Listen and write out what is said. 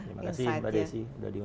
terima kasih mbak desi